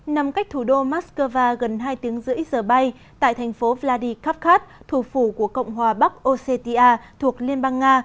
nằm cách thủ đô moskova gần hai tiếng rưỡi giờ bay tại thành phố vladikapkat thủ phủ của cộng hòa bắc osetia thuộc liên bang nga